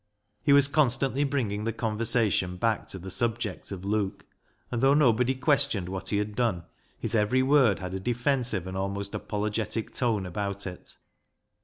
He was constantly bringing the conversation back to the subject of Luke, and though nobody questioned what he had done, his every word had a defensive and almost apologetic tone about it.